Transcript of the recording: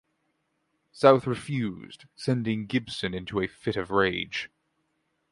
South refused, sending Gibson into a fit of rage.